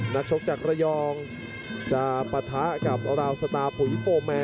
นักชกจากระยองจะปะทะกับราวสตาร์ปุ๋ยโฟร์แมน